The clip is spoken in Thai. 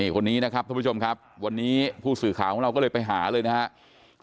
คนนี้นะครับท่านผู้ชมครับวันนี้ผู้สื่อข่าวของเราก็เลยไปหาเลยนะครับ